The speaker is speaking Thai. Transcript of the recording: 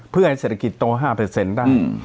เพื่อให้เศรษฐกิจโต๕ได้